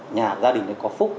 nhà gia đình có phúc